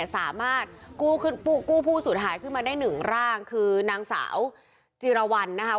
สามารถกู้ผู้สูญหายขึ้นมาได้หนึ่งร่างคือนางสาวจิรวรรณนะคะ